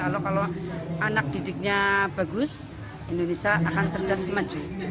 kalau anak didiknya bagus indonesia akan serdaskan